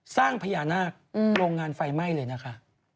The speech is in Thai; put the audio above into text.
สร้างพญานาคโรงงานไฟไหม้เลยนะคะ